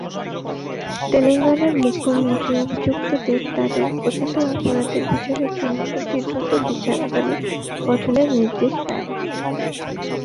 তেলেঙ্গানার মুখ্যমন্ত্রী অভিযুক্তদের তাদের কথিত অপরাধের বিচারের জন্য একটি দ্রুত বিচার আদালত গঠনের নির্দেশ দেন।